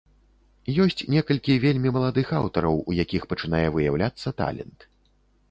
Ёсць некалькі вельмі маладых аўтараў, у якіх пачынае выяўляцца талент.